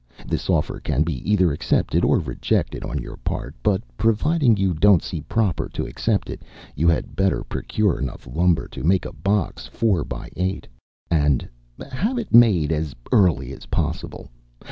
This offer can be either accepted or rejected on your part: but providing you don't see proper to accept it, you had better procure enough lumber to make a box 4x8, and have it made as early as possible.